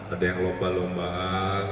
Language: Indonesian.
ada yang lomba lombaan